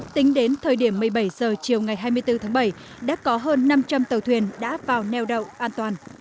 tính đến thời điểm một mươi bảy h chiều ngày hai mươi bốn tháng bảy đã có hơn năm trăm linh tàu thuyền đã vào neo đậu an toàn